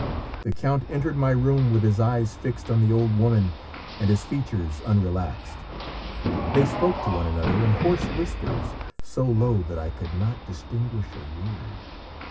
The count entered my room with his eyes fixed on the old woman and his features unrelaxed. They spoke to one another in hoarse whispers, so low that I could not distinguish a word.